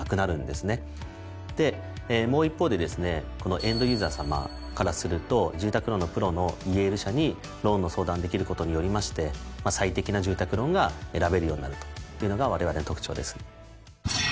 エンドユーザーさまからすると住宅ローンのプロのｉＹｅｌｌ社にローンの相談できることによりまして最適な住宅ローンが選べるようになるというのがわれわれの特徴です。